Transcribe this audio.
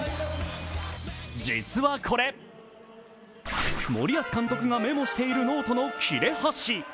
実はこれ、森保監督がメモしているノートの切れ端。